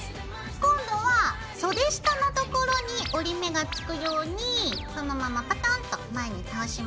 今度は袖下のところに折り目がつくようにそのままパタンと前に倒します。